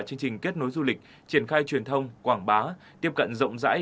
chương trình kết nối du lịch triển khai truyền thông quảng bá tiếp cận rộng rãi